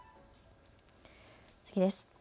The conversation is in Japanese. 次です。